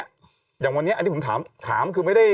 อย่างวันนี้อันนี้ผมถามคือไม่ได้